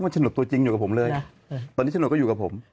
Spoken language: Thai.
มันฉนดตัวจริงอยู่กับผมเลยตอนนี้ฉนดก็อยู่กับผม